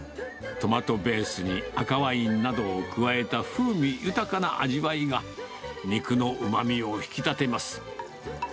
トマトベースに赤ワインなどを加えた風味豊かな味わいが、肉のうまみを引き立てます。